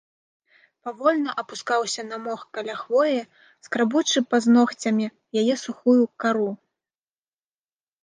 Павольна апускаўся на мох каля хвоі, скрабучы пазногцямі яе сухую кару.